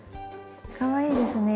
かわいいですね。